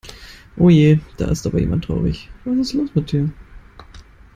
Oje, da ist aber jemand traurig. Was ist los mit dir?